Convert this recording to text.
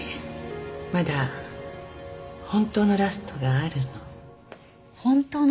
まだ本当のラストがあるの。